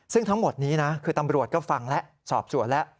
ซึ่งทั้งหมดนี้นะคือตำรวจก็ฟังแล้วสอบสวนแล้ว